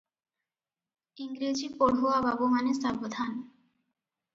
ଇଂରେଜୀ ପଢୁଆ ବାବୁମାନେ ସାବଧାନ!